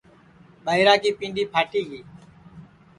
ٻائرا کی پینٚدؔی پھاٹی گی